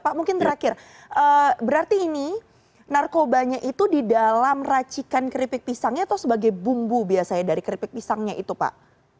pak mungkin terakhir berarti ini narkobanya itu di dalam racikan keripik pisangnya atau sebagai bumbu biasanya dari keripik pisangnya itu pak